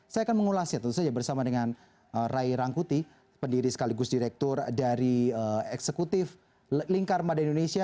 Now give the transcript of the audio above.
saya akan mengulasnya tentu saja bersama dengan ray rangkuti pendiri sekaligus direktur dari eksekutif lingkar mada indonesia